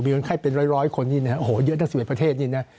คนไข้เป็นร้อยคนนี่นะโอ้โหเยอะทั้ง๑๑ประเทศนี่นะ